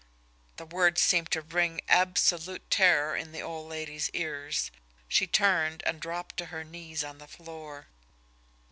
The words seemed to ring absolute terror in the old lady's ears. She turned, and dropped to her knees on the floor.